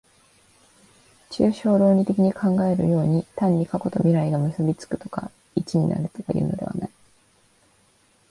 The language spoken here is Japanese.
抽象論理的に考えられるように、単に過去と未来とが結び附くとか一になるとかいうのではない。